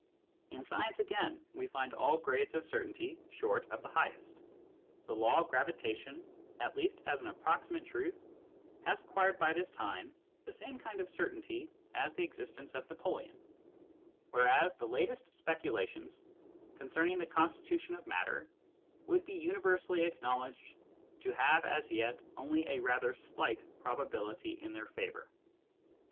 In science, again, we find all grades of certainty short of the highest. The law of gravitation, at least Digitized by Google 68 SCIENTIFIC METHOD IN PHILOSOPHY as an approximate truth, has acquired by this time the same kind of certainty as the existence of Napoleon, whereas the latest speculations concerning the constitu tion of matter would be universally acknowledged to have as yet only a rather slight probability in their favour.